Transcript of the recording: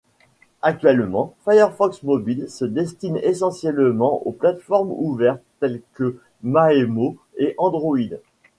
Actuellement, Firefox Mobile se destine essentiellement aux plates-formes ouvertes telles que Maemo et Android.